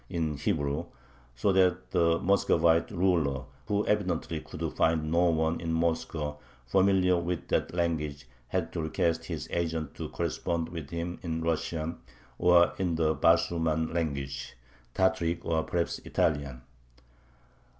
in Hebrew, so that the Muscovite ruler, who evidently could find no one in Moscow familiar with that language, had to request his agent to correspond with him in Russian or "in the Basurman language" (Tataric or perhaps Italian).